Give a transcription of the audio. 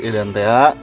i dan t